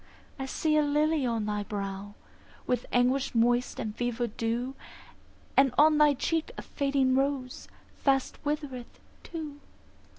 I see a lily on thy brow, With anguish moist and fever dew; And on thy cheek a fading rose Fast withereth too.